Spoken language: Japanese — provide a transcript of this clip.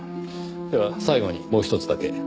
では最後にもうひとつだけ。